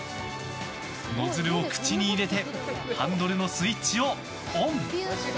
ノズルを口に入れてハンドルのスイッチをオン。